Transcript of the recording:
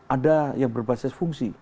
ada yang berbasis fungsi